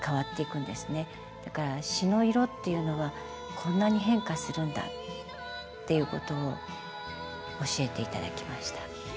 だから詞の色っていうのはこんなに変化するんだっていうことを教えて頂きました。